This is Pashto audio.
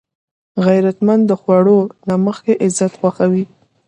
غیرتمند د خوړو نه مخکې عزت خوښوي